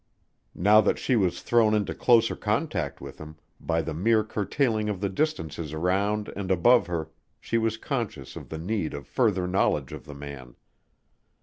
Now that she was thrown into closer contact with him, by the mere curtailing of the distances around and above her, she was conscious of the need of further knowledge of the man.